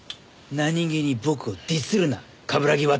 何げに僕をディスるな冠城亘！